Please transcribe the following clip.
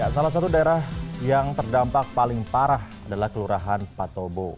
salah satu daerah yang terdampak paling parah adalah kelurahan patobo